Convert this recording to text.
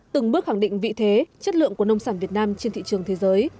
từng bước khẳng định vị thế chất lượng của nông sản việt nam trên thị trường thế giới